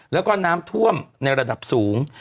แล้วก็น้ำท่วมในระดับสูง